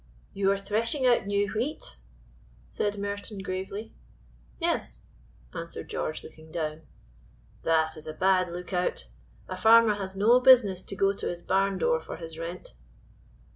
"You are threshing out new wheat?" said Merton, gravely. "Yes," answered George, looking down. "That is a bad lookout; a farmer has no business to go to his barn door for his rent."